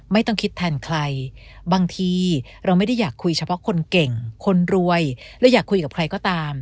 ไม่ต้องคิดแทนใครบางทีเราไม่ได้อยากคุยเฉพาะคนเก่งคนรวยและอยากคุยกับใครก็ตาม